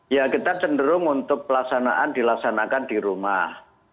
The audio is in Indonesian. ya kita cenderung untuk pelaksanaan dilaksanakan di rumah